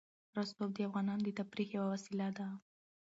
رسوب د افغانانو د تفریح یوه وسیله ده.